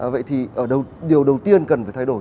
vậy thì điều đầu tiên cần phải thay đổi